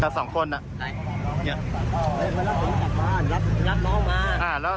เขากำลังจะไปกลับบ้านแล้วพยายามหรับน้องมา